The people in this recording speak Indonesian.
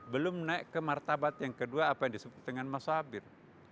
belum naik ke martabat yang kedua apa yang disebut dengan mas sabir